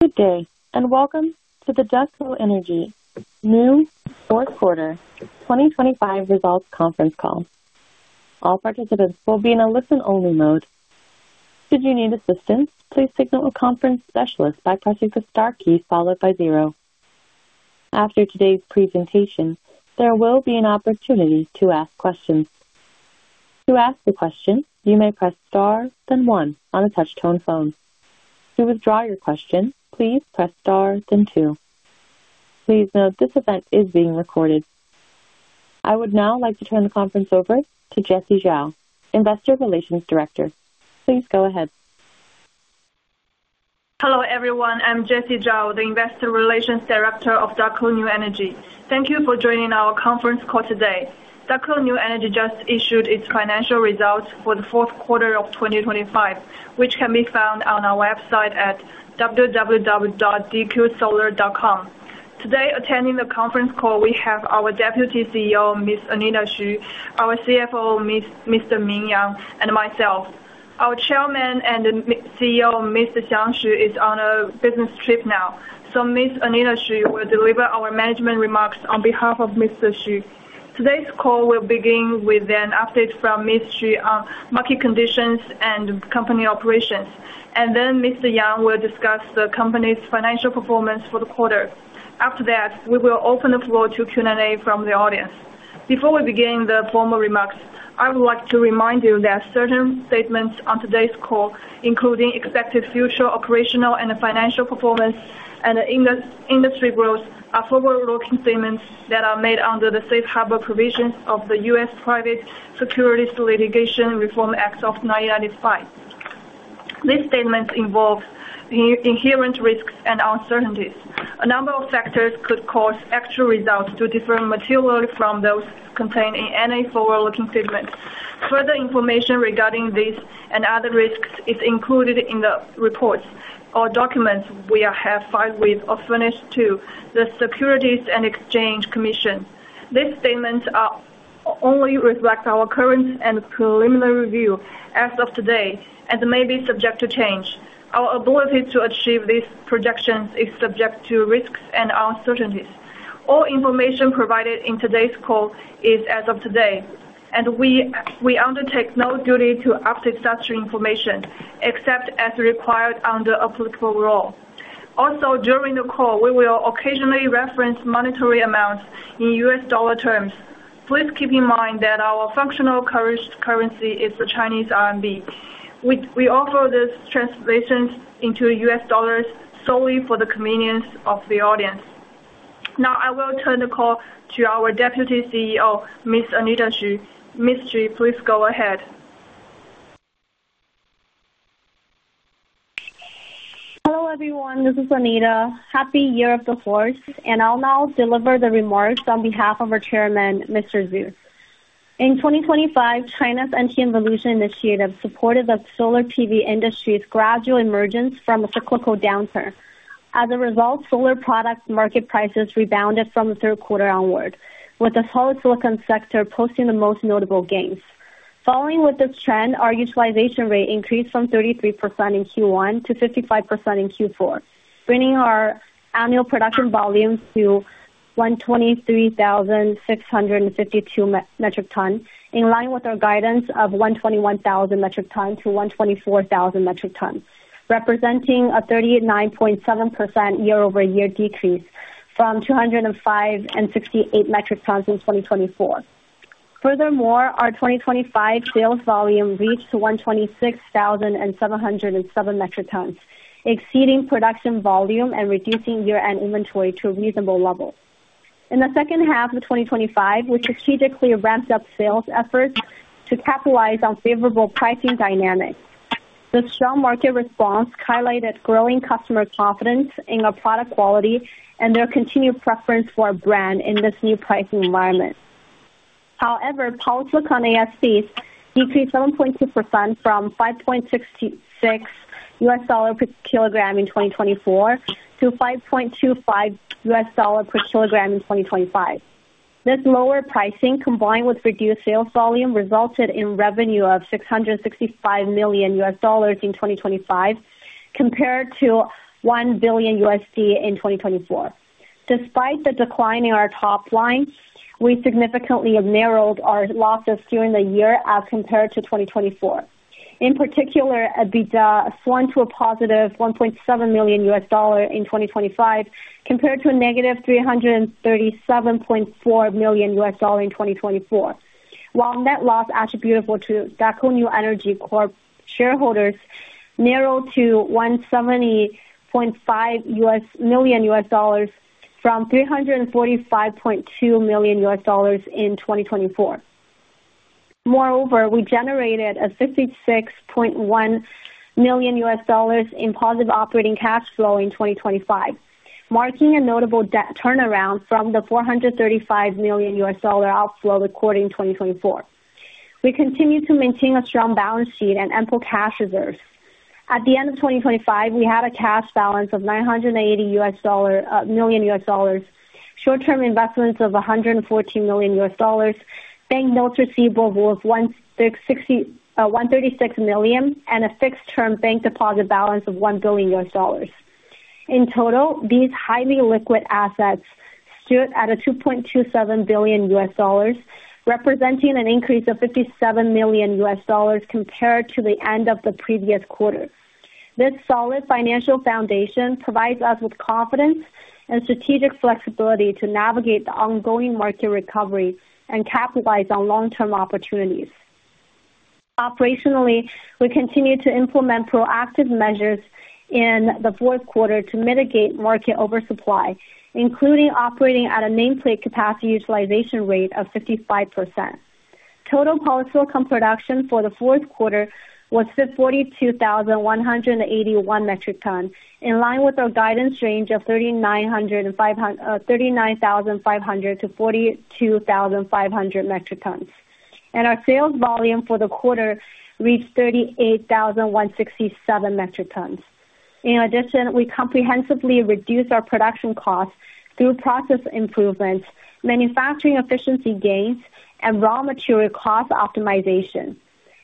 Good day, welcome to the Daqo New Energy New fourth quarter 2025 results conference call. All participants will be in a listen-only mode. Should you need assistance, please signal a conference specialist by pressing the star key followed by zero. After today's presentation, there will be an opportunity to ask questions. To ask a question, you may press star, then one on a touch-tone phone. To withdraw your question, please press star then two. Please note, this event is being recorded. I would now like to turn the conference over to Jesse Zhao, Investor Relations Director. Please go ahead. Hello, everyone, I'm Jesse Zhao, the Investor Relations Director of Daqo New Energy. Thank you for joining our conference call today. Daqo New Energy just issued its financial results for the fourth quarter of 2025, which can be found on our website at www.dqsolar.com. Today, attending the conference call, we have our Deputy CEO, Ms. Anita Xu, our CFO, Mr. Ming Yang, and myself. Our Chairman and CEO, Mr. Jiang Xu, is on a business trip now, so Ms. Anita Xu will deliver our management remarks on behalf of Mr. Xu. Today's call will begin with an update from Ms. Xu on market conditions and company operations, and then Mr. Yang will discuss the company's financial performance for the quarter. After that, we will open the floor to Q&A from the audience. Before we begin the formal remarks, I would like to remind you that certain statements on today's call, including expected future operational and financial performance and industry growth, are forward-looking statements that are made under the Safe Harbor provisions of the U.S. Private Securities Litigation Reform Act of 1995. These statements involve inherent risks and uncertainties. A number of factors could cause actual results to differ materially from those contained in any forward-looking statements. Further information regarding these and other risks is included in the reports or documents we have filed with or furnished to the Securities and Exchange Commission. These statements only reflect our current and preliminary review as of today and may be subject to change. Our ability to achieve these projections is subject to risks and uncertainties. All information provided in today's call is as of today, and we undertake no duty to update such information except as required under applicable law. During the call, we will occasionally reference monetary amounts in U.S. dollar terms. Please keep in mind that our functional currency is the Chinese RMB. We offer this translation into U.S. dollars solely for the convenience of the audience. I will turn the call to our Deputy CEO, Ms. Anita Xu. Ms. Xu, please go ahead. Hello, everyone. This is Anita. Happy Year of the Horse, and I'll now deliver the remarks on behalf of our chairman, Mr. Xu. In 2025, China's N-type Revolution Initiative supported the solar PV industry's gradual emergence from a cyclical downturn. As a result, solar products market prices rebounded from the third quarter onward, with the polysilicon sector posting the most notable gains. Following with this trend, our utilization rate increased from 33% in Q1 to 55% in Q4, bringing our annual production volumes to 123,652 metric tons, in line with our guidance of 121,000 metric tons-124,000 metric tons, representing a 39.7% year-over-year decrease from 205 and 68 metric tons in 2024. Furthermore, our 2025 sales volume reached 126,707 metric tons, exceeding production volume and reducing year-end inventory to a reasonable level. In the second half of 2025, we strategically ramped up sales efforts to capitalize on favorable pricing dynamics. The strong market response highlighted growing customer confidence in our product quality and their continued preference for our brand in this new pricing environment. polysilicon ASPs decreased 7.2% from $5.66 per kilogram in 2024 to $5.25 per kilogram in 2025. This lower pricing, combined with reduced sales volume, resulted in revenue of $665 million in 2025, compared to $1 billion in 2024. Despite the decline in our top line, we significantly narrowed our losses during the year as compared to 2024. In particular, EBITDA swung to a positive $1.7 million in 2025, compared to a negative -$337.4 million in 2024. While net loss attributable to Daqo New Energy Corp shareholders narrowed to $170.5 million-$345.2 million in 2024. Moreover, we generated a $66.1 million in positive operating cash flow in 2025, marking a notable turnaround from the $435 million outflow recorded in 2024. We continue to maintain a strong balance sheet and ample cash reserves. At the end of 2025, we had a cash balance of $980 million, short-term investments of $114 million, bank notes receivable of $136 million, and a fixed-term bank deposit balance of $1 billion. In total, these highly liquid assets stood at a $2.27 billion, representing an increase of $57 million compared to the end of the previous quarter. This solid financial foundation provides us with confidence and strategic flexibility to navigate the ongoing market recovery and capitalize on long-term opportunities. Operationally, we continued to implement proactive measures in the fourth quarter to mitigate market oversupply, including operating at a nameplate capacity utilization rate of 55%. Total polysilicon production for the fourth quarter was 42,181 metric tons, in line with our guidance range of 39,500-42,500 metric tons. Our sales volume for the quarter reached 38,167 metric tons. In addition, we comprehensively reduced our production costs through process improvements, manufacturing efficiency gains, and raw material cost optimization.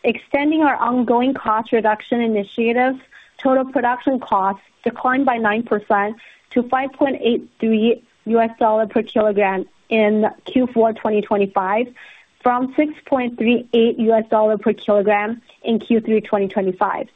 Extending our ongoing cost reduction initiatives, total production costs declined by 9% to $5.83 per kilogram in Q4 2025, from $6.38 per kilogram in Q3 2025.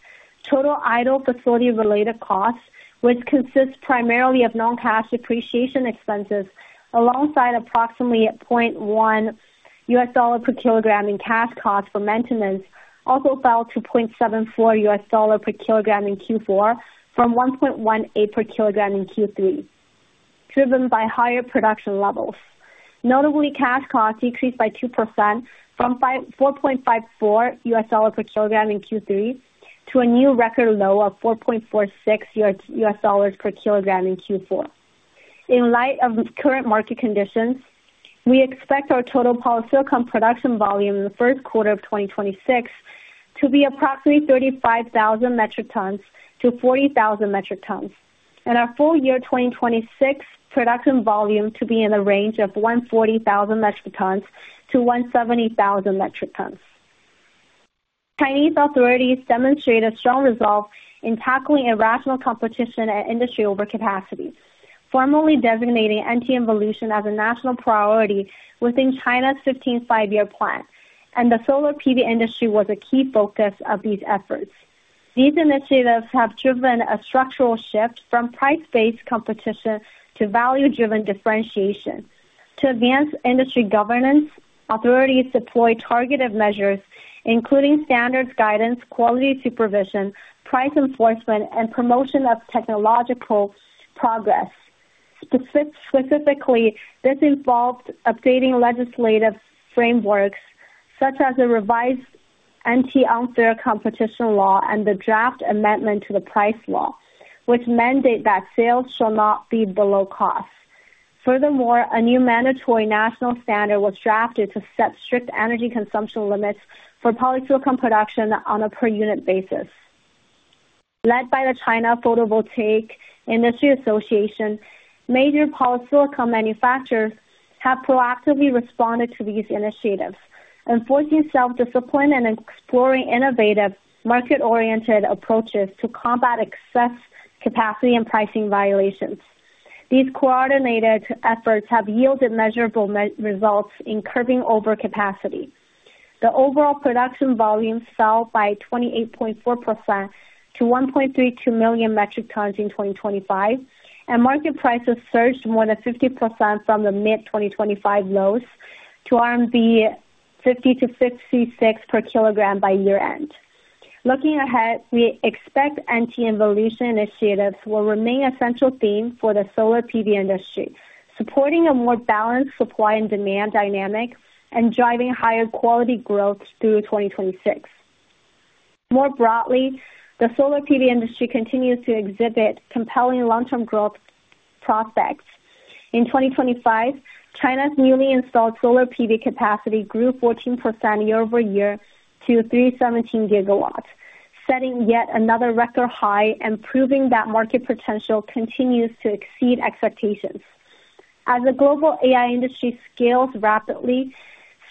Total idle facility-related costs, which consists primarily of non-cash depreciation expenses, alongside approximately at $0.10 per kilogram in cash costs for maintenance, also fell to $0.74 per kilogram in Q4 from $1.18 per kilogram in Q3, driven by higher production levels. Notably, cash costs decreased by 2% from $4.54 per kilogram in Q3 to a new record low of $4.46 U.S. dollars per kilogram in Q4. In light of current market conditions, we expect our total polysilicon production volume in the first quarter of 2026 to be approximately 35,000 metric tons-40,000 metric tons, and our full year 2026 production volume to be in the range of 140,000 metric tons-170,000 metric tons. Chinese authorities demonstrated strong resolve in tackling irrational competition and industry overcapacity, formally designating anti-involution as a national priority within China's Fourteenth Five-Year Plan, and the solar PV industry was a key focus of these efforts. These initiatives have driven a structural shift from price-based competition to value-driven differentiation. To advance industry governance, authorities deployed targeted measures, including standards, guidance, quality supervision, price enforcement, and promotion of technological progress. Specifically, this involved updating legislative frameworks such as the revised Anti-Unfair Competition Law and the Draft Amendment to the Pricing Law, which mandate that sales shall not be below cost. Furthermore, a new mandatory national standard was drafted to set strict energy consumption limits for polysilicon production on a per unit basis. Led by the China Photovoltaic Industry Association, major polysilicon manufacturers have proactively responded to these initiatives, enforcing self-discipline and exploring innovative market-oriented approaches to combat excess capacity and pricing violations. These coordinated efforts have yielded measurable results in curbing overcapacity. The overall production volume fell by 28.4% to 1.32 million metric tons in 2025, and market prices surged more than 50% from the mid-2025 lows to 50-56 per kilogram by year-end. Looking ahead, we expect anti-involution initiatives will remain a central theme for the solar PV industry, supporting a more balanced supply and demand dynamic and driving higher quality growth through 2026. More broadly, the solar PV industry continues to exhibit compelling long-term growth prospects. In 2025, China's newly installed solar PV capacity grew 14% year-over-year to 317 GW, setting yet another record high and proving that market potential continues to exceed expectations. As the global AI industry scales rapidly,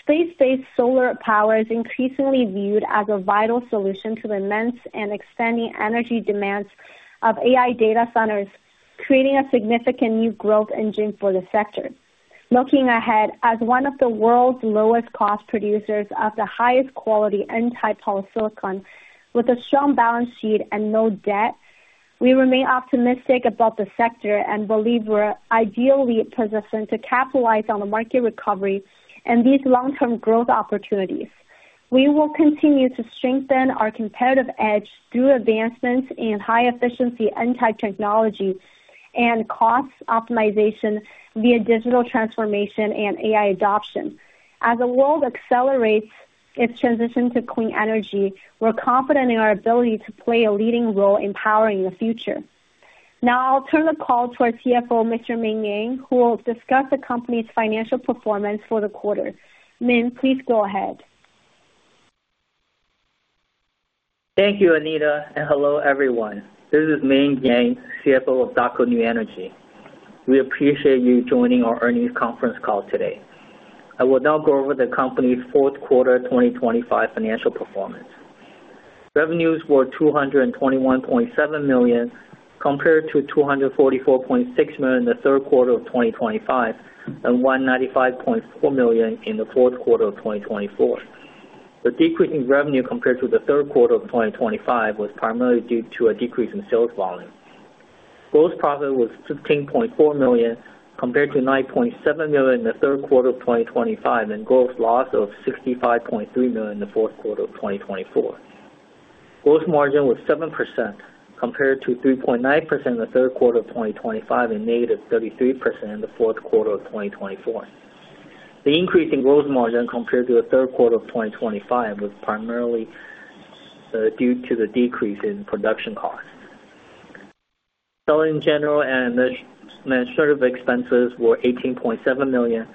space-based solar power is increasingly viewed as a vital solution to the immense and expanding energy demands of AI data centers, creating a significant new growth engine for the sector. Looking ahead, as one of the world's lowest-cost producers of the highest-quality N-type polysilicon, with a strong balance sheet and no debt, we remain optimistic about the sector and believe we're ideally positioned to capitalize on the market recovery and these long-term growth opportunities. We will continue to strengthen our competitive edge through advancements in high-efficiency N-type technology and cost optimization via digital transformation and AI adoption. As the world accelerates its transition to clean energy, we're confident in our ability to play a leading role in powering the future. Now I'll turn the call to our CFO, Mr. Ming Yang, who will discuss the company's financial performance for the quarter. Ming, please go ahead. Thank you, Anita. Hello, everyone. This is Ming Yang, CFO of Daqo New Energy. We appreciate you joining our earnings conference call today. I will now go over the company's fourth quarter 2025 financial performance. Revenues were $221.7 million, compared to $244.6 million in the third quarter of 2025, and $195.4 million in the fourth quarter of 2024. The decrease in revenue compared to the third quarter of 2025 was primarily due to a decrease in sales volume. Gross profit was $15.4 million, compared to $9.7 million in the third quarter of 2025, and gross loss of $65.3 million in the fourth quarter of 2024. Gross margin was 7%, compared to 3.9% in the third quarter of 2025 and -33% in the fourth quarter of 2024. The increase in gross margin compared to the third quarter of 2025 was primarily due to the decrease in production costs. Selling, General and Administrative Expenses were $18.7 million,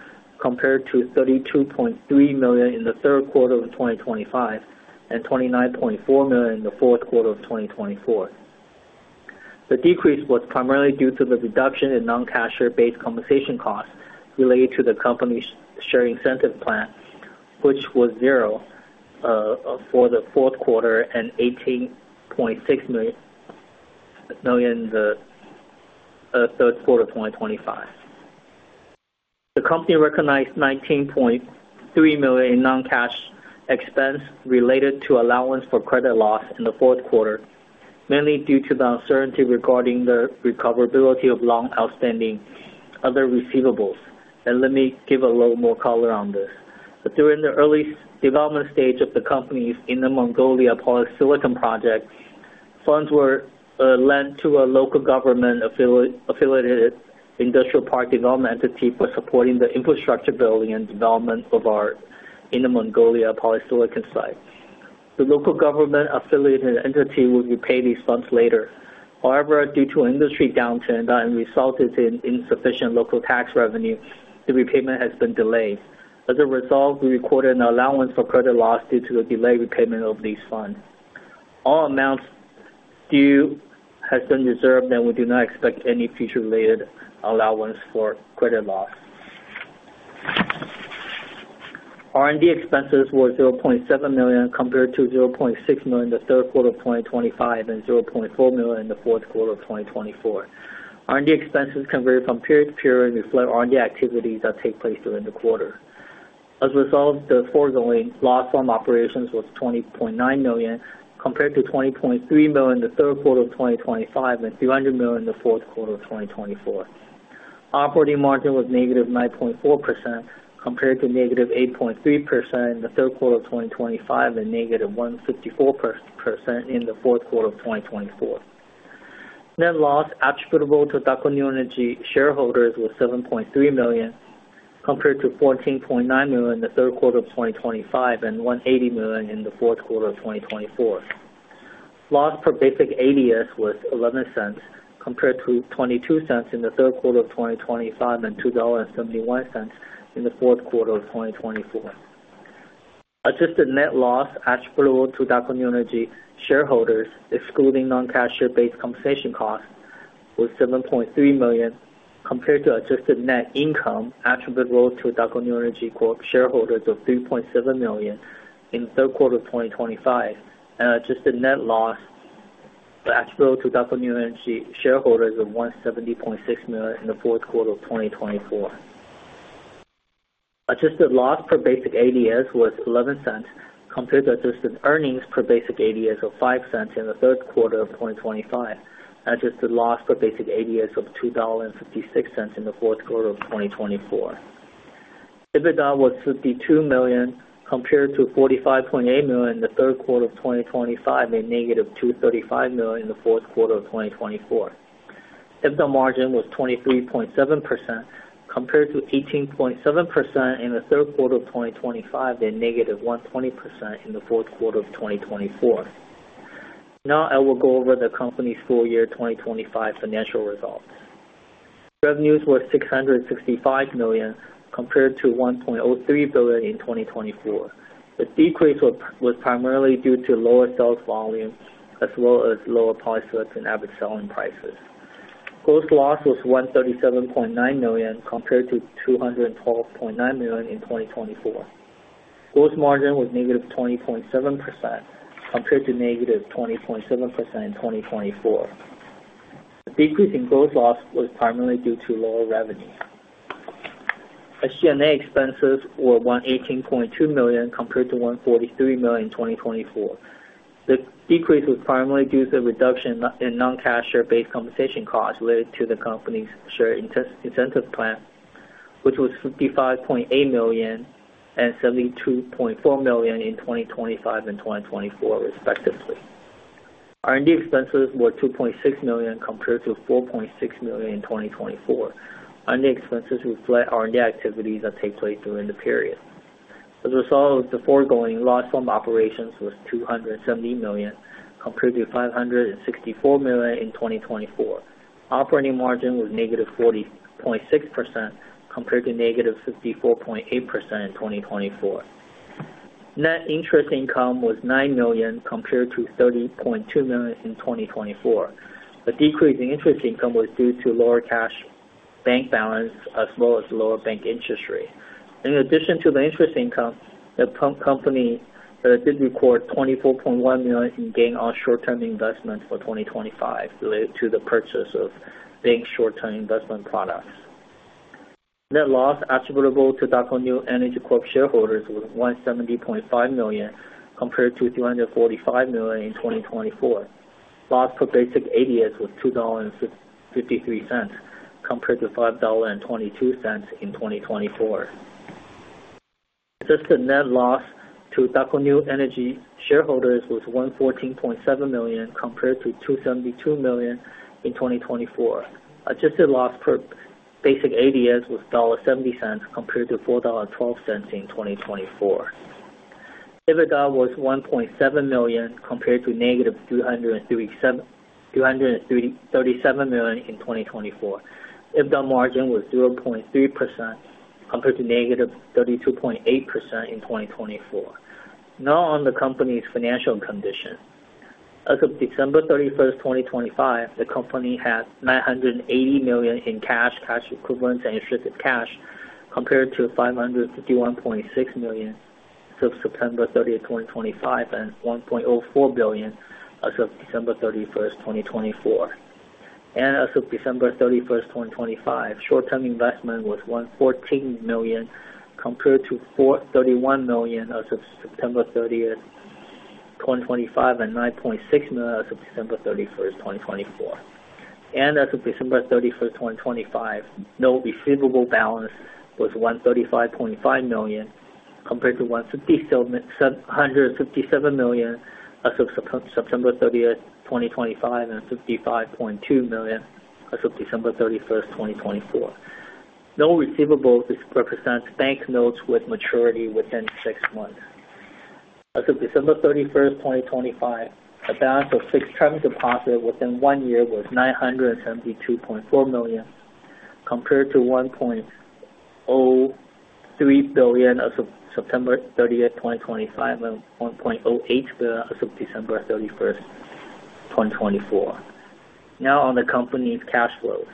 compared to $32.3 million in the third quarter of 2025 and $29.4 million in the fourth quarter of 2024. The decrease was primarily due to the reduction in non-cash share-based compensation costs related to the company's share incentive plan, which was zero for the fourth quarter and $18.6 million in the third quarter of 2025. The company recognized $19.3 million non-cash expense related to allowance for credit loss in the fourth quarter, mainly due to the uncertainty regarding the recoverability of long outstanding other receivables. Let me give a little more color on this. During the early development stage of the company's Inner Mongolia polysilicon project, funds were lent to a local government affiliated industrial park development entity for supporting the infrastructure building and development of our Inner Mongolia polysilicon site. The local government-affiliated entity will repay these funds later. However, due to industry downturn that resulted in insufficient local tax revenue, the repayment has been delayed. As a result, we recorded an allowance for credit loss due to a delayed repayment of these funds. All amounts due has been reserved, and we do not expect any future related allowance for credit loss. R&D expenses were $0.7 million, compared to $0.6 million in the third quarter of 2025 and $0.4 million in the fourth quarter of 2024. R&D expenses converted from period to period reflect R&D activities that take place during the quarter. As a result, the foregoing loss from operations was $20.9 million, compared to $20.3 million in the third quarter of 2025 and $300 million in the fourth quarter of 2024. Operating margin was -9.4%, compared to -8.3% in the third quarter of 2025 and -154% in the fourth quarter of 2024. Net loss attributable to Daqo New Energy shareholders was $7.3 million, compared to $14.9 million in the third quarter of 2025 and $180 million in the fourth quarter of 2024. Loss per basic ADS was $0.11, compared to $0.22 in the third quarter of 2025 and $2.71 in the fourth quarter of 2024. Adjusted net loss attributable to Daqo New Energy shareholders, excluding non-cash share-based compensation costs, was $7.3 million, compared to adjusted net income attributable to Daqo New Energy shareholders of $3.7 million in the third quarter of 2025, and adjusted net loss attributable to Daqo New Energy shareholders of $170.6 million in the fourth quarter of 2024. Adjusted loss per basic ADS was $0.11, compared to adjusted earnings per basic ADS of $0.05 in the third quarter of 2025, and adjusted loss per basic ADS of $2.56 in the fourth quarter of 2024. EBITDA was $52 million, compared to $45.8 million in the third quarter of 2025 and -$235 million in the fourth quarter of 2024. EBITDA margin was 23.7%, compared to 18.7% in the third quarter of 2025, and -120% in the fourth quarter of 2024. I will go over the company's full year 2025 financial results. Revenues were $665 million, compared to $1.03 billion in 2024. The decrease was primarily due to lower sales volume, as well as lower polysilicon average selling prices. Gross loss was $137.9 million, compared to $212.9 million in 2024. Gross margin was -20.7%, compared to -20.7% in 2024. The decrease in gross loss was primarily due to lower revenue. SG&A expenses were $118.2 million, compared to $143 million in 2024. The decrease was primarily due to the reduction in non-cash share-based compensation costs related to the company's share incentive plan, which was $55.8 million and $72.4 million in 2025 and 2024, respectively. R&D expenses were $2.6 million, compared to $4.6 million in 2024. R&D expenses reflect R&D activities that take place during the period. As a result, the foregoing loss from operations was $270 million compared to $564 million in 2024. Operating margin was -40.6%, compared to -54.8% in 2024. Net interest income was $9 million, compared to $30.2 million in 2024. The decrease in interest income was due to lower cash bank balance, as well as lower bank interest rate. In addition to the interest income, the company did record $24.1 million in gain on short-term investments for 2025, related to the purchase of bank short-term investment products. Net loss attributable to Daqo New Energy Corp. shareholders was $170.5 million, compared to $345 million in 2024. Loss per basic ADS was $2.53, compared to $5.22 in 2024. Adjusted net loss to Daqo New Energy shareholders was $114.7 million, compared to $272 million in 2024. Adjusted loss per basic ADS was $0.70, compared to $4.12 in 2024. EBITDA was $1.7 million, compared to -$337 million in 2024. EBITDA margin was 0.3%, compared to -32.8% in 2024. On the company's financial condition. As of December 31st, 2025, the company had $980 million in cash equivalents and restricted cash, compared to $551.6 million as of September 30th, 2025, and $1.04 billion as of December 31st, 2024. As of December 31st, 2025, short-term investment was $114 million, compared to $431 million as of September 30th, 2025, and $9.6 million as of December 31st, 2024. As of December 31st, 2025, note receivable balance was $135.5 million, compared to $157 million as of September 30th, 2025, and $55.2 million as of December 31st, 2024. Note receivables represents bank notes with maturity within six months. As of December 31st, 2025, a balance of six-term deposit within one year was $972.4 million, compared to $1.03 billion as of September 30th, 2025, and $1.08 billion as of December 31st, 2024. On the company's cash flows.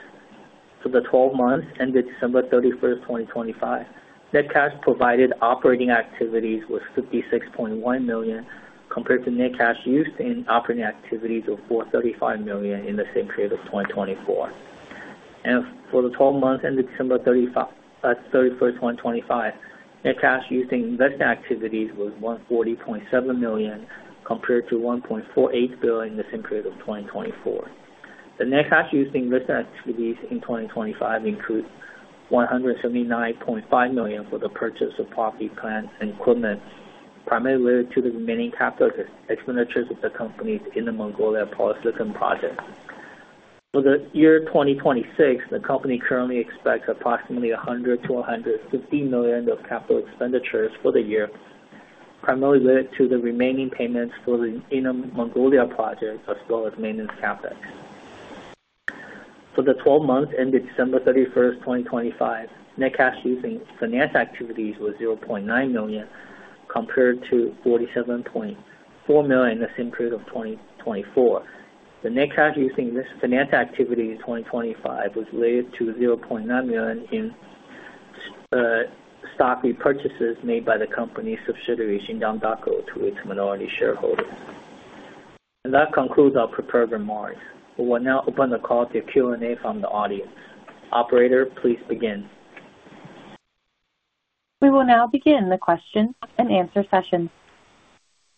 For the 12 months ended December 31st, 2025, net cash provided operating activities was $56.1 million, compared to net cash used in operating activities of $435 million in the same period of 2024. For the 12 months ended December 31st, 2025, net cash used in investing activities was $140.7 million, compared to $1.48 billion in the same period of 2024. The net cash used in investing activities in 2025 include $179.5 million for the purchase of property, plant and equipment, primarily related to the remaining capital expenditures of the companies in the Mongolia polysilicon project. For the year 2026, the company currently expects approximately $100 million-$150 million of capital expenditures for the year, primarily related to the remaining payments for the Inner Mongolia project, as well as maintenance CapEx. For the 12 months ended December 31st, 2025, net cash using finance activities was $0.9 million, compared to $47.4 million in the same period of 2024. The net cash using this finance activity in 2025 was related to $0.9 million in stock repurchases made by the company's subsidiary, Xinjiang Daqo, to its minority shareholders. That concludes our prepared remarks. We will now open the call to Q&A from the audience. Operator, please begin. We will now begin the question-and-answer session.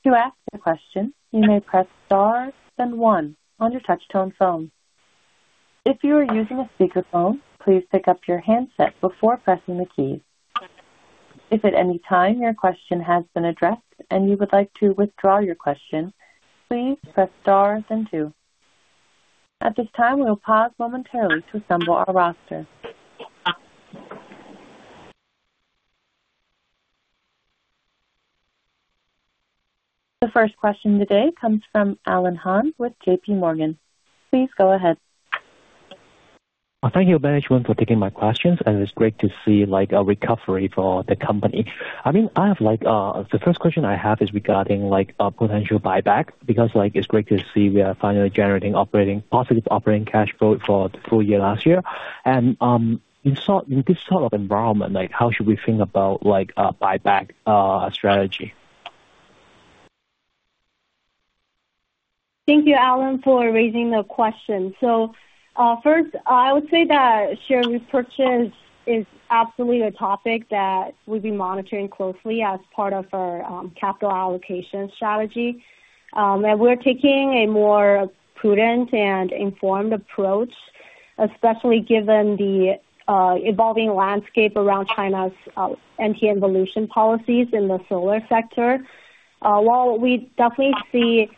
To ask a question, you may press star then one on your touchtone phone. If you are using a speakerphone, please pick up your handset before pressing the keys. If at any time your question has been addressed and you would like to withdraw your question, please press star then two. At this time, we will pause momentarily to assemble our roster. The first question today comes from Alan Han with JPMorgan. Please go ahead. Thank you, management, for taking my questions, and it's great to see, like, a recovery for the company. I mean, I have, like, the first question I have is regarding, like, a potential buyback, because, like, it's great to see we are finally generating, operating, positive operating cash flow for the full year last year. In this sort of environment, like, how should we think about, like, a buyback strategy? Thank you, Alan, for raising the question. First, I would say that share repurchase is absolutely a topic that we've been monitoring closely as part of our capital allocation strategy. We're taking a more prudent and informed approach, especially given the evolving landscape around China's anti-involution policies in the solar sector. While we definitely see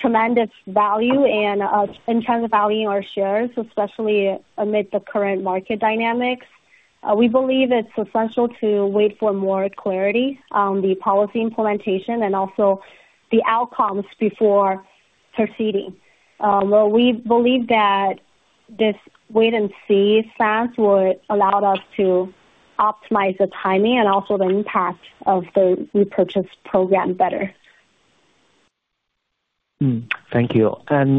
tremendous value and intrinsic value in our shares, especially amid the current market dynamics. We believe it's essential to wait for more clarity on the policy implementation and also the outcomes before proceeding. Well, we believe that this wait-and-see stance would allow us to optimize the timing and also the impact of the repurchase program better. Thank you.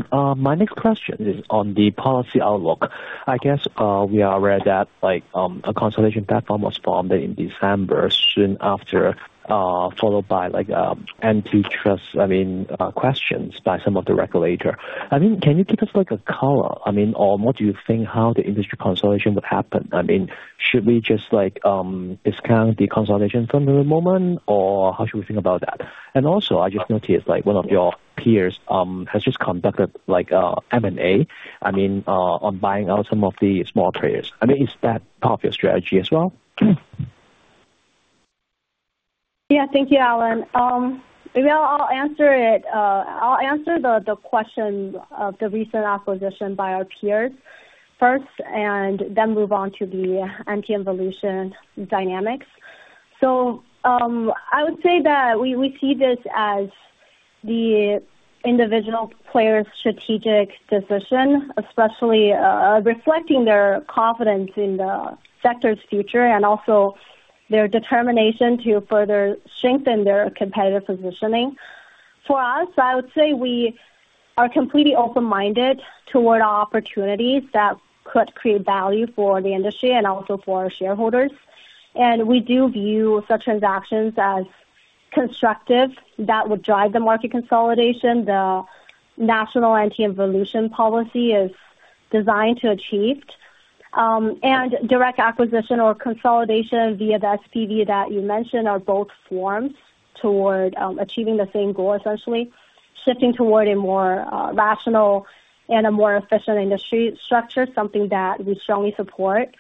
My next question is on the policy outlook. I guess, we are aware that, like, a consolidation platform was formed in December, soon after, followed by, like, antitrust, I mean, questions by some of the regulator. I mean, can you give us, like, a color? I mean, or what do you think how the industry consolidation would happen? I mean, should we just, like, discount the consolidation for the moment, or how should we think about that? Also, I just noticed, like, one of your peers, has just conducted, like, M&A, I mean, on buying out some of the small traders. I mean, is that part of your strategy as well? Thank you, Alan. Maybe I'll answer the question of the recent acquisition by our peers first and then move on to the anti-involution dynamics. I would say that we see this as the individual player's strategic decision, especially reflecting their confidence in the sector's future and also their determination to further strengthen their competitive positioning. For us, I would say we are completely open-minded toward opportunities that could create value for the industry and also for our shareholders. We do view such transactions as constructive that would drive the market consolidation the national anti-involution policy is designed to achieve. Direct acquisition or consolidation via the SPV that you mentioned, are both forms toward achieving the same goal, essentially shifting toward a more rational and a more efficient industry structure, something that we strongly support.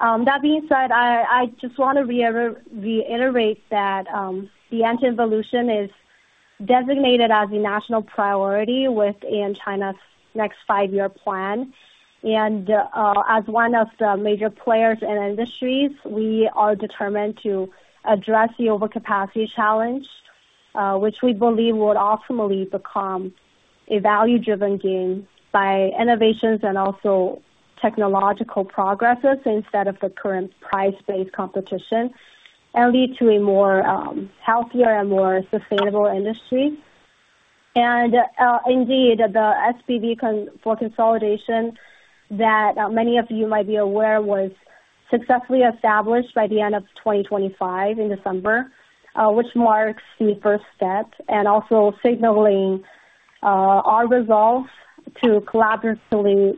That being said, I just want to reiterate that the anti-involution is designated as a national priority within China's next Five-Year Plan. As one of the major players in industries, we are determined to address the overcapacity challenge, which we believe would optimally become a value-driven gain by innovations and also technological progresses, instead of the current price-based competition, and lead to a more healthier and more sustainable industry. Indeed, the SPV for consolidation that many of you might be aware, was successfully established by the end of 2025 in December, which marks the first step and also signaling our resolve to collaboratively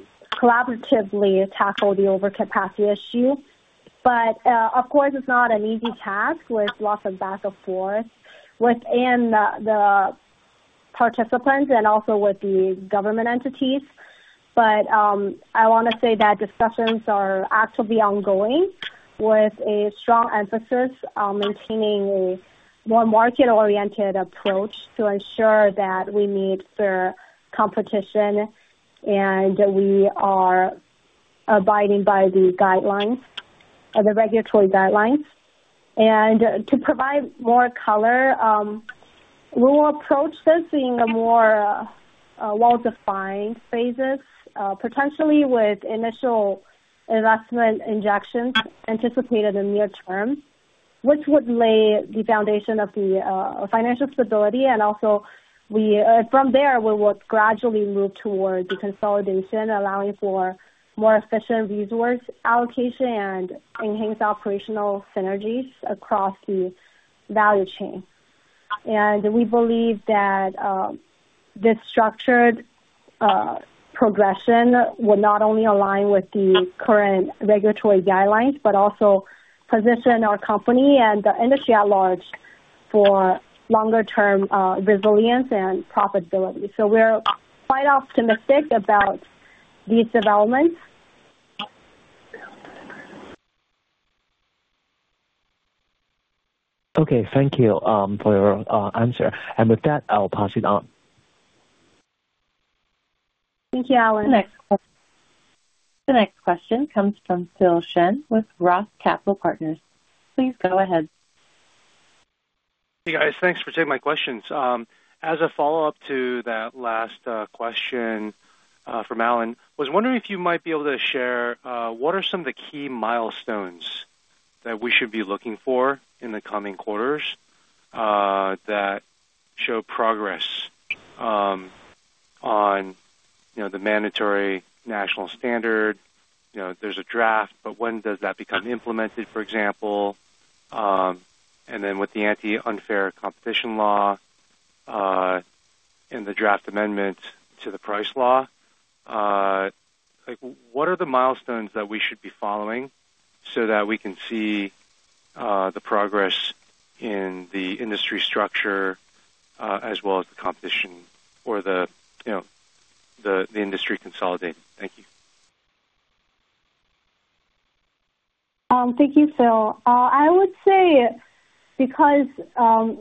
tackle the overcapacity issue. Of course, it's not an easy task, with lots of back and forth within the participants and also with the government entities. I want to say that discussions are actively ongoing, with a strong emphasis on maintaining a more market-oriented approach to ensure that we meet fair competition, and we are abiding by the guidelines, the regulatory guidelines. To provide more color, we will approach this in a more well-defined phases, potentially with initial investment injections anticipated in near term, which would lay the foundation of the financial stability. From there, we will gradually move towards the consolidation, allowing for more efficient resource allocation and enhanced operational synergies across the value chain. We believe that this structured progression will not only align with the current regulatory guidelines, but also position our company and the industry at large for longer-term resilience and profitability. We're quite optimistic about these developments. Okay, thank you, for your answer. With that, I will pass it on. Thank you, Alan. The next question comes from Phil Shen with Roth Capital Partners. Please go ahead. Hey, guys. Thanks for taking my questions. As a follow-up to that last question from Alan, was wondering if you might be able to share, what are some of the key milestones that we should be looking for in the coming quarters, that show progress, on, you know, the mandatory national standard? You know, there's a draft, but when does that become implemented, for example? With the Anti-Unfair Competition Law, and the Draft Amendment to the Pricing Law, like, what are the milestones that we should be following so that we can see, the progress in the industry structure, as well as the competition or the, you know, the industry consolidating? Thank you. Thank you, Phil. I would say Because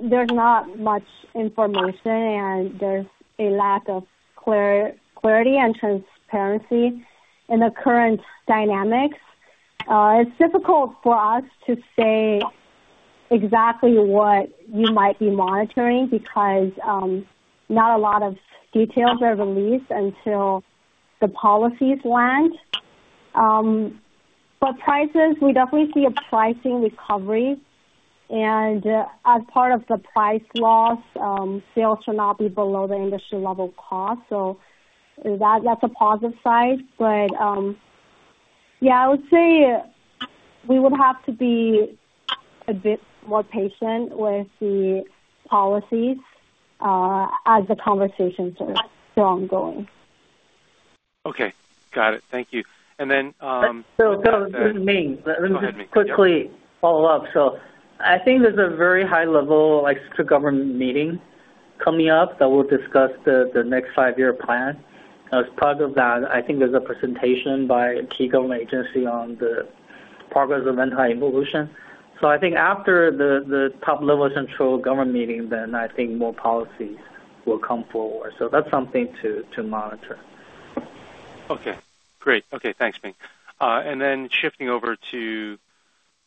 there's not much information, and there's a lack of clarity and transparency in the current dynamics, it's difficult for us to say exactly what we might be monitoring because not a lot of details are released until the policies land. Prices, we definitely see a pricing recovery, and as part of the price laws, sales should not be below the industry level cost, so that's a positive side. Yeah, I would say we would have to be a bit more patient with the policies, as the conversations are still ongoing. Okay, got it. Thank you. Then- This is Ming. Go ahead, Ming. Let me just quickly follow up. I think there's a very high level government meeting coming up that will discuss the next five-year plan. As part of that, I think there's a presentation by a key government agency on the progress of anti-involution. I think after the top-level central government meeting, I think more policies will come forward. That's something to monitor. Okay, great. Okay, thanks, Ming. Shifting over to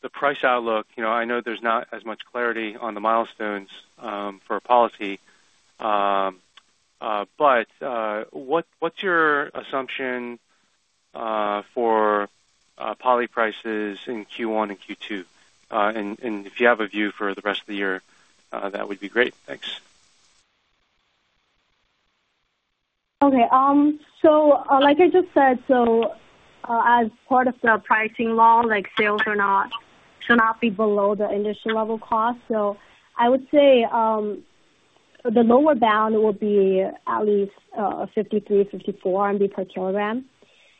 the price outlook, you know, I know there's not as much clarity on the milestones for policy, but what's your assumption for poly prices in Q1 and Q2? If you have a view for the rest of the year, that would be great. Thanks. Like I just said, as part of the Pricing Law, like, sales should not be below the industry level cost. I would say the lower bound will be at least 53-54 per kilogram,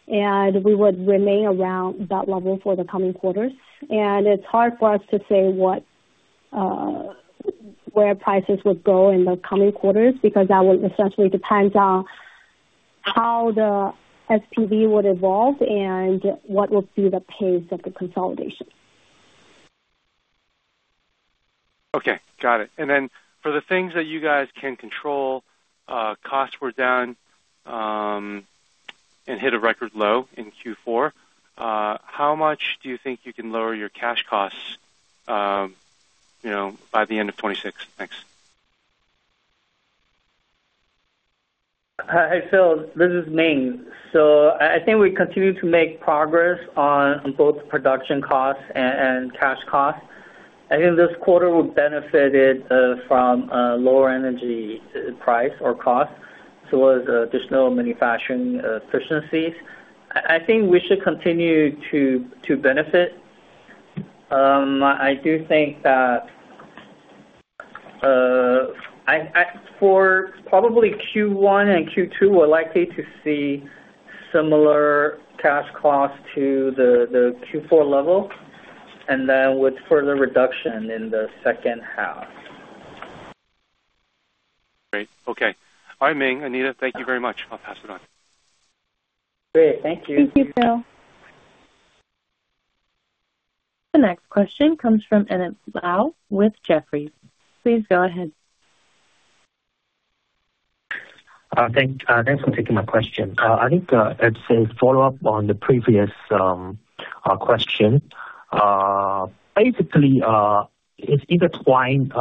and we would remain around that level for the coming quarters. It's hard for us to say what where prices would go in the coming quarters, because that would essentially depends on how the SPV would evolve and what would be the pace of the consolidation. Okay, got it. For the things that you guys can control, costs were down, and hit a record low in Q4. How much do you think you can lower your cash costs, you know, by the end of 2026? Thanks. Hi, Phil, this is Ming. I think we continue to make progress on both production costs and cash costs. I think this quarter will benefited from lower energy price or cost, so as just no manufacturing efficiencies. I think we should continue to benefit. I do think that for probably Q1 and Q2, we're likely to see similar cash costs to the Q4 level, and then with further reduction in the second half. Great. Okay. All right, Ming, Anita, thank you very much. I'll pass it on. Great. Thank you. Thank you, Phil. The next question comes from Emmett Lau with Jefferies. Please go ahead. Thanks for taking my question. I think it's a follow-up on the previous question. Basically, it's intertwined,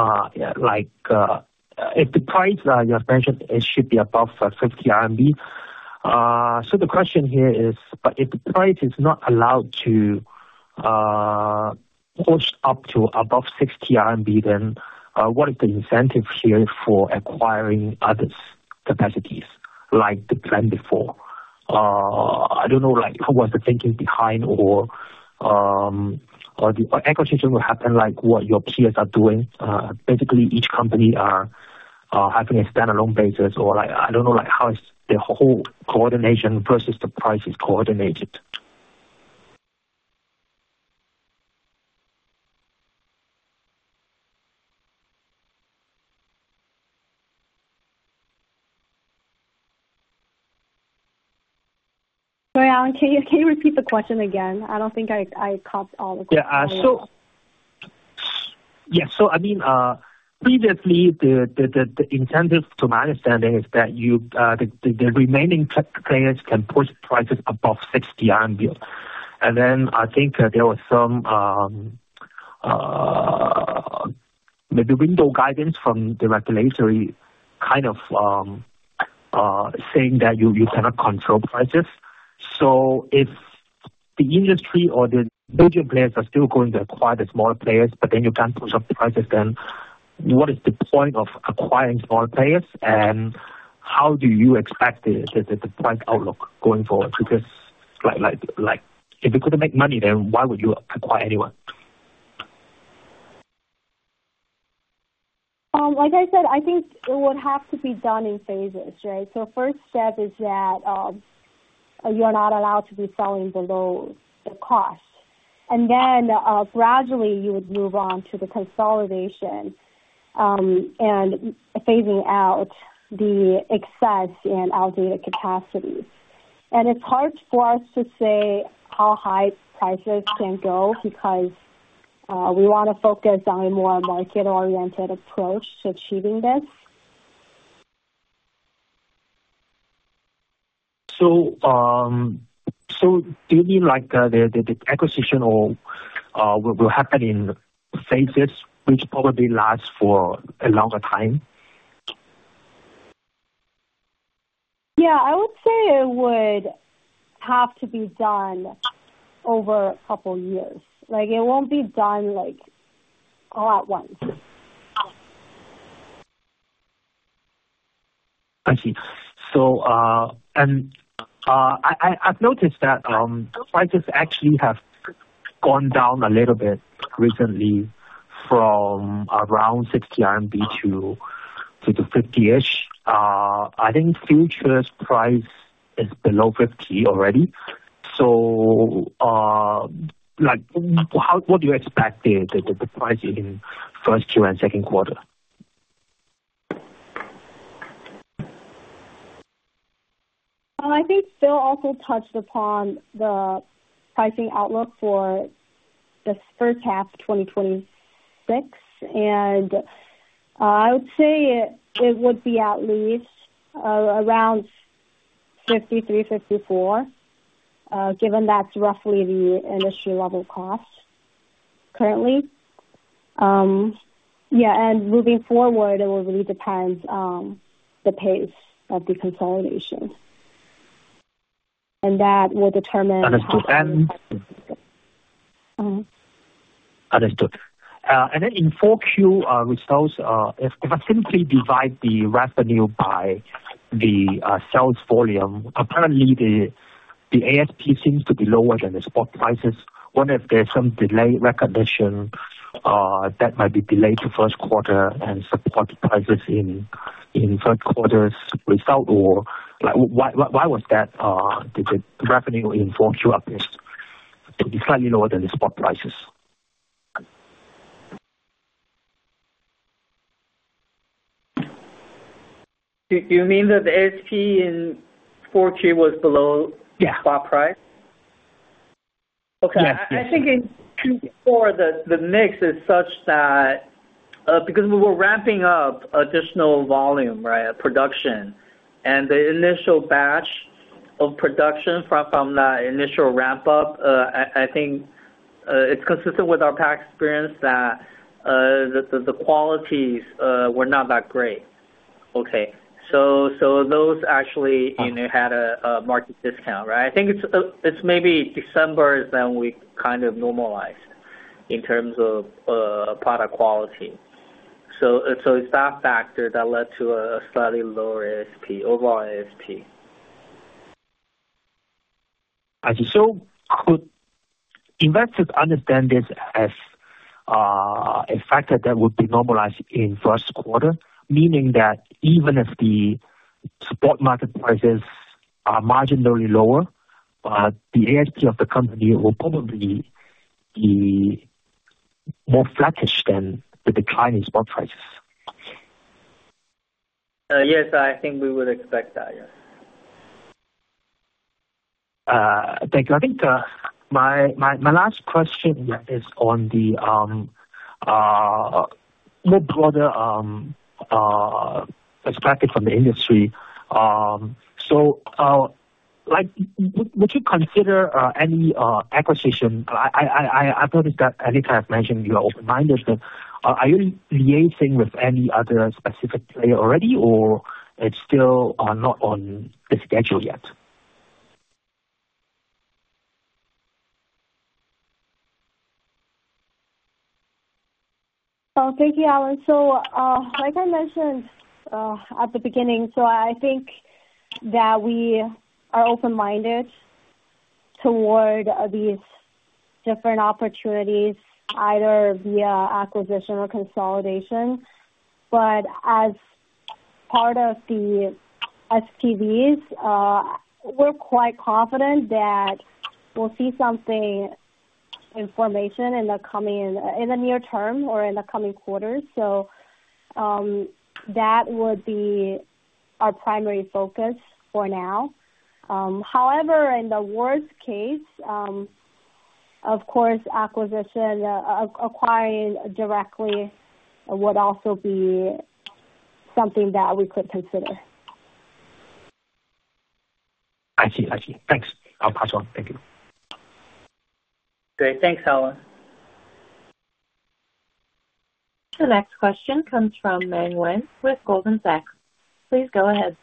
like, if the price you mentioned, it should be above 60 RMB. The question here is: but if the price is not allowed to push up to above 60 RMB, then what is the incentive here for acquiring others' capacities like the plan before? I don't know, like, what was the thinking behind or the acquisition will happen, like what your peers are doing. Basically, each company are having a standalone basis, or, like, I don't know, like, how is the whole coordination versus the price is coordinated? Sorry, Lau, can you repeat the question again? I don't think I caught all the question. Yeah, so I mean, previously, the incentive, to my understanding, is that you, the remaining players can push prices above 60 RMB. I think there was some maybe window guidance from the regulatory kind of saying that you cannot control prices. If the industry or the larger players are still going to acquire the smaller players, you can't push up the prices, what is the point of acquiring small players? How do you expect the price outlook going forward, because, like, if you couldn't make money, why would you acquire anyone? Like I said, I think it would have to be done in phases, right? First step is that, you are not allowed to be selling below the cost, then, gradually you would move on to the consolidation, and phasing out the excess in outdated capacities. It's hard for us to say how high prices can go, because, we want to focus on a more market-oriented approach to achieving this. Do you mean like the acquisition or will happen in phases which probably last for a longer time? Yeah, I would say it would have to be done over a couple years. Like, it won't be done, like, all at once. I see. I've noticed that prices actually have gone down a little bit recently from around RMB 60 to the 50-ish. I think futures price is below 50 already. Like, what do you expect the pricing in first Q and second quarter? Well, I think Phil also touched upon the pricing outlook for the first half of 2026, I would say it would be at least, around 53, 54, given that's roughly the industry level cost currently. Moving forward, it will really depends on the pace of the consolidation. That will determine. Understood. Understood. In 4Q results, if I simply divide the revenue by the sales volume, apparently the ASP seems to be lower than the spot prices. I wonder if there's some delay recognition that might be delayed to first quarter and support the prices in third quarter's result? Why was that the revenue in 4Q up to be slightly lower than the spot prices? Do you mean that the ASP in 4Q was below... Yeah. ...spot price? Yes. Okay. I think in Q4 the mix is such that because we were ramping up additional volume, right, production, and the initial batch of production from that initial ramp up, I think it's consistent with our past experience that the qualities were not that great. Okay? Those actually, you know, had a market discount, right? I think it's maybe December, then we kind of normalized in terms of product quality. It's that factor that led to a slightly lower ASP, overall ASP. I see. Could investors understand this as a factor that would be normalized in first quarter, meaning that even if the spot market prices are marginally lower, but the ASP of the company will probably be more flattish than the decline in spot prices? Yes, I think we would expect that. Yes. Thank you. I think my last question is on the more broader perspective from the industry. Would you consider any acquisition? I noticed that Anita Xu have mentioned you are open-minded, but are you liaising with any other specific player already, or it's still not on the schedule yet? Thank you, Lau. Like I mentioned, at the beginning, so I think that we are open-minded toward these different opportunities, either via acquisition or consolidation. As part of the STVs, we're quite confident that we'll see something in formation in the near term or in the coming quarters. That would be our primary focus for now. However, in the worst case, of course, acquiring directly would also be something that we could consider. I see. I see. Thanks. I'll pass on. Thank you. Great. Thanks, Lau. The next question comes from Moen with Goldman Sachs. Please go ahead.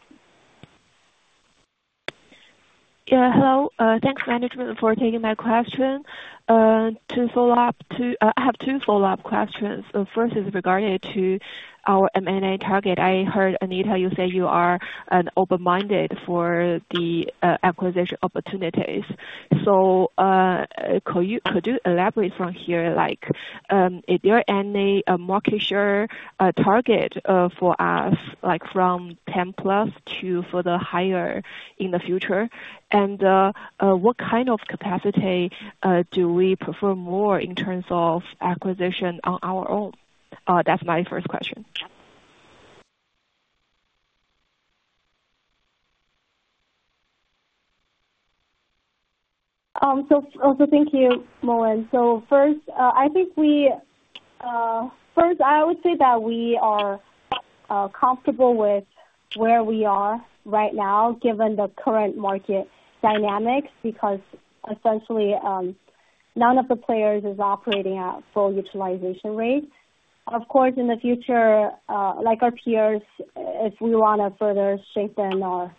Yeah, hello. Thanks, management, for taking my question. To follow up, I have two follow-up questions. First is regarding to our M&A target. I heard, Anita, you say you are open-minded for the acquisition opportunities. Could you elaborate from here, like, is there any more keener target for us, like from 10+ to further higher in the future? What kind of capacity do we prefer more in terms of acquisition on our own? That's my first question. Thank you, Moen. First, I think we, first, I would say that we are comfortable with where we are right now, given the current market dynamics, because essentially, none of the players is operating at full utilization rates. Of course, in the future, like our peers, if we want to further strengthen our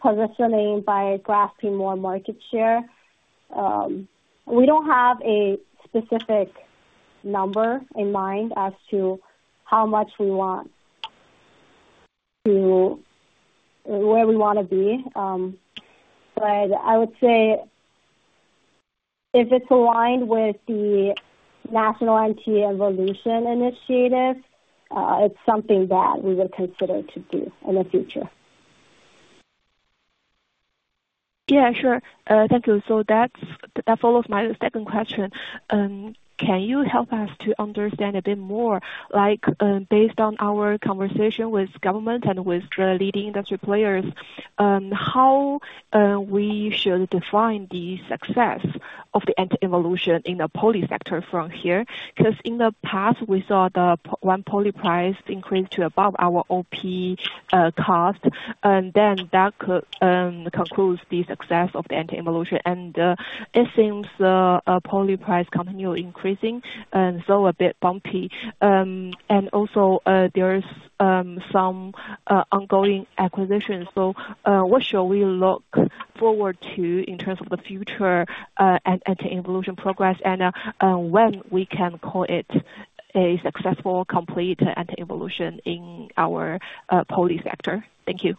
positioning by grasping more market share, we don't have a specific number in mind as to how much we want, to where we want to be. I would say, if it's aligned with the national anti-involution initiative, it's something that we will consider to do in the future. Yeah, sure. Thank you. That follows my second question. Can you help us to understand a bit more, like, based on our conversation with government and with the leading industry players, how we should define the success of the anti-involution in the poly sector from here, because in the past, we saw the poly price increase to above our OP cost, and then that could concludes the success of the anti-involution? It seems poly price continue increasing and so a bit bumpy. Also, there is some ongoing acquisitions. What shall we look forward to in terms of the future anti-involution progress? When we can call it a successful, complete anti-involution in our poly sector? Thank you.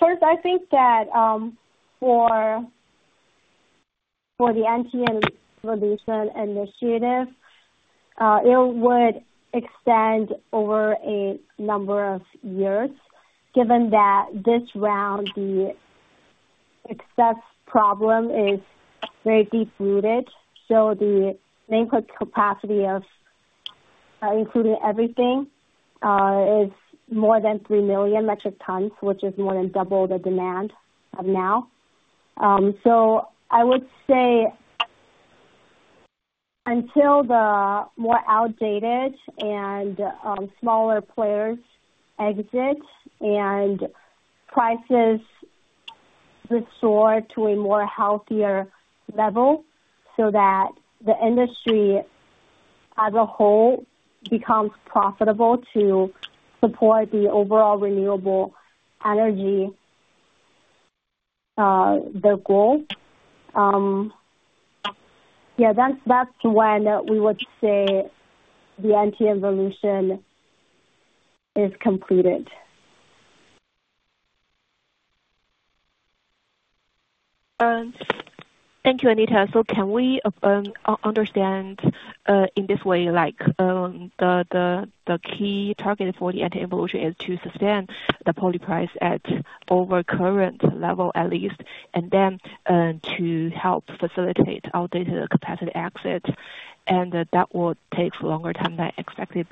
First, I think that for the anti-involution initiative, it would extend over a number of years, given that this round, the success problem is very deep-rooted. The nameplate capacity of, including everything, is more than 3 million metric tons, which is more than double the demand of now. I would say until the more outdated and smaller players exit, and prices restore to a more healthier level, so that the industry as a whole becomes profitable to support the overall renewable energy, the goal. Yeah, that's when we would say the anti-involution is completed. Thank you, Anita. Can we understand in this way, the key target for the anti-involution is to sustain the poly price at over current level at least, to help facilitate outdated capacity exit, and that will take longer time than expected.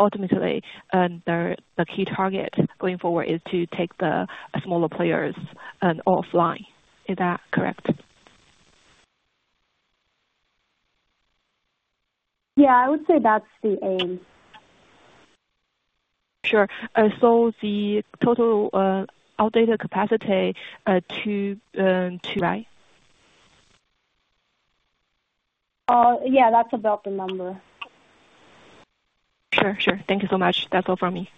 Ultimately, the key target going forward is to take the smaller players offline. Is that correct? Yeah, I would say that's the aim. Sure. The total outdated capacity to right? Yeah, that's about the number. Sure. Sure. Thank you so much. That's all from me.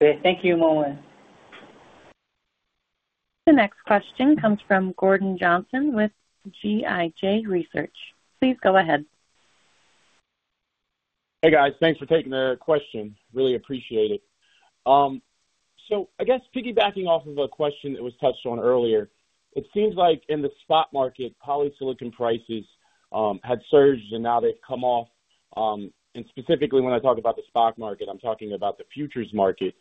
Thank you, Moen. The next question comes from Gordon Johnson with GLJ Research. Please go ahead. Hey, guys. Thanks for taking the question. Really appreciate it. I guess piggybacking off of a question that was touched on earlier, it seems like in the spot market, polysilicon prices had surged and now they've come off and specifically, when I talk about the spot market, I'm talking about the futures market.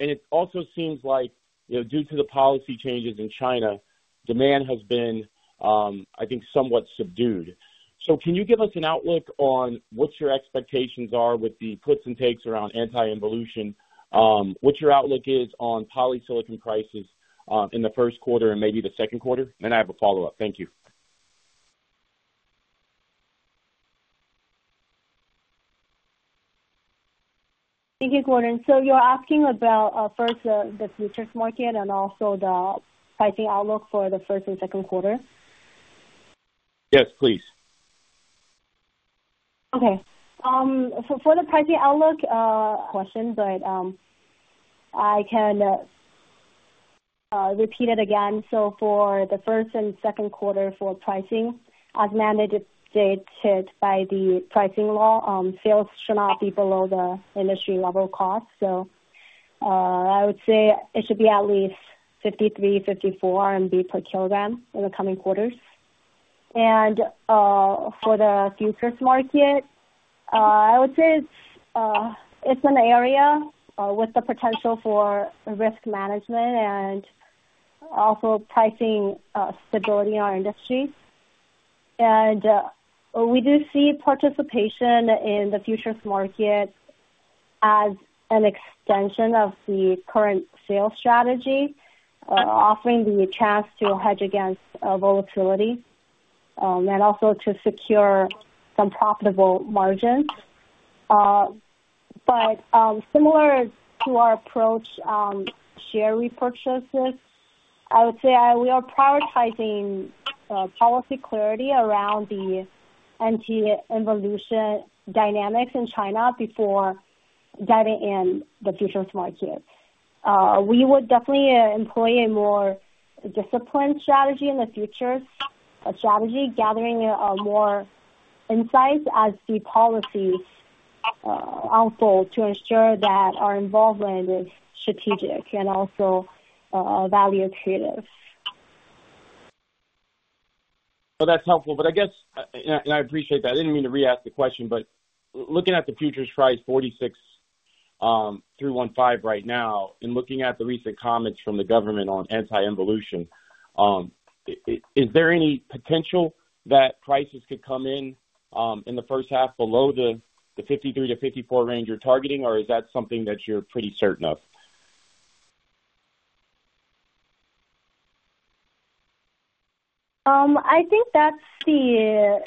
It also seems like, you know, due to the policy changes in China, demand has been, I think, somewhat subdued. Can you give us an outlook on what your expectations are with the puts and takes around anti-involution? What your outlook is on polysilicon prices in the first quarter and maybe the second quarter? I have a follow-up. Thank you. Thank you, Gordon. You're asking about, first, the futures market and also the pricing outlook for the first and second quarter? Yes, please. Okay. For the pricing outlook question, but I can repeat it again. For the first and second quarter for pricing, as mandated by the Pricing Law, sales should not be below the industry level cost. I would say it should be at least 53-54 RMB per kilogram in the coming quarters. For the futures market, I would say it's an area with the potential for risk management and also pricing stability in our industry. We do see participation in the futures market as an extension of the current sales strategy, offering the chance to hedge against volatility and also to secure some profitable margins. Similar to our approach on share repurchases, I would say, we are prioritizing, policy clarity around the anti-involution dynamics in China before diving in the futures market. We would definitely, employ a more disciplined strategy in the future, a strategy gathering, more insights as the policy unfold, to ensure that our involvement is strategic and also, value creative. That's helpful. I guess, and I appreciate that. I didn't mean to re-ask the question, looking at the futures price 46.315 right now, and looking at the recent comments from the government on anti-involution, is there any potential that prices could come in in the first half below the 53-54 range you're targeting? Is that something that you're pretty certain of? I think that's the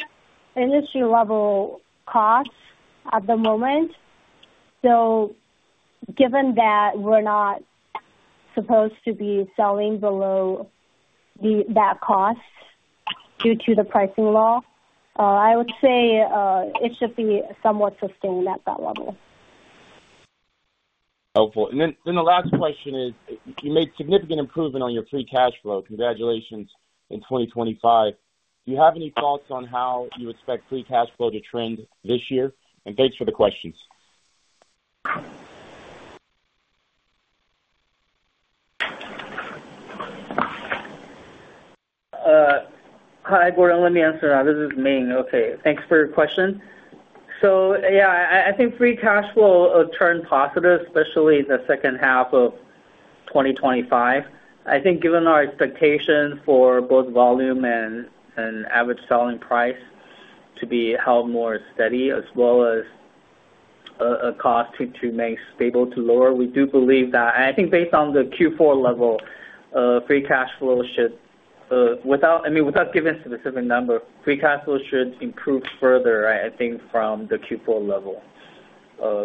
industry-level cost at the moment. Given that we're not supposed to be selling below that cost due to the Pricing Law, I would say, it should be somewhat sustained at that level. Helpful. Then the last question is, you made significant improvement on your free cash flow. Congratulations in 2025. Do you have any thoughts on how you expect free cash flow to trend this year? Thanks for the questions. Hi, Gordon. Let me answer that. This is Ming. Thanks for your question. Yeah, I think free cash flow will turn positive, especially in the second half of 2025. I think given our expectation for both volume and average selling price to be held more steady, as well as a cost to make stable to lower, we do believe that. I think based on the Q4 level, free cash flow should- without giving specific number, free cash flow should improve further, I think, from the Q4 level,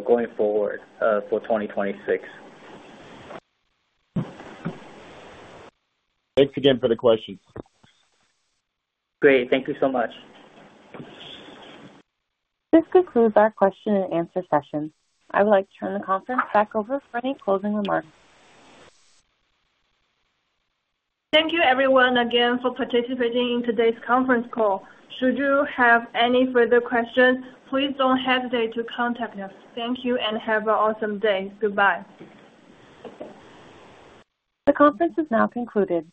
going forward, for 2026. Thanks again for the question. Great. Thank you so much. This concludes our question-and-answer session. I would like to turn the conference back over for any closing remarks. Thank you everyone again for participating in today's conference call. Should you have any further questions, please don't hesitate to contact us. Thank you and have an awesome day. Goodbye. The conference is now concluded.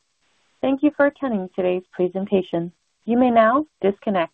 Thank you for attending today's presentation. You may now disconnect.